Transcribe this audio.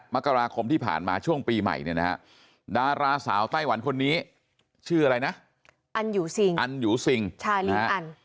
มกราคมที่ผ่านมาช่วงปีใหม่เนี่ยนะฮะดาราสาวไต้หวันคนนี้ชื่ออะไรนะอันยูซิงอันอยู่ซิงอัน